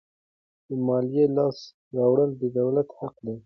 د مالیې لاسته راوړل د دولت حق دی.